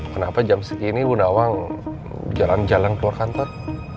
kenapa jam segini bu nawang jalan jalan keluar kantor